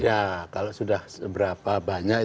ya kalau sudah seberapa banyak